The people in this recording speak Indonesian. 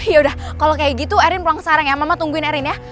yaudah kalo kayak gitu erin pulang sarang ya mama tungguin erin ya